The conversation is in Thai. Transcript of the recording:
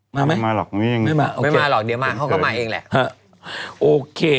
มาไหมมาหรอกไม่มาไม่มาหรอกเดี๋ยวมาเขาก็มาเองแหละฮะโอเค